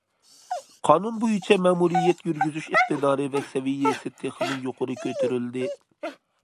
قانۇن بويىچە مەمۇرىيەت يۈرگۈزۈش ئىقتىدارى ۋە سەۋىيەسى تېخىمۇ يۇقىرى كۆتۈرۈلدى.